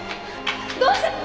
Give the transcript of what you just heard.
どうしたの！？